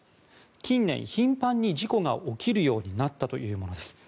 近年、頻繁に事故が起きるようになったというものです。